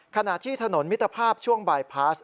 ขณะที่ถนนมิตรภาพช่วงบายพาส